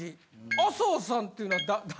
麻生さんっていうのは誰？